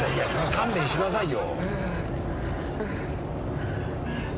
勘弁してくださいよ。